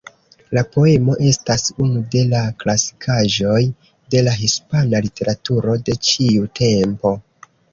La poemo estas unu de la klasikaĵoj de la hispana literaturo de ĉiu tempo.